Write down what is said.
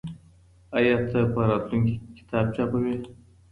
آیا ته په راتلونکي کي کتاب چاپوې؟